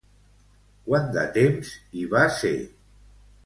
Quant de temps hi va ser?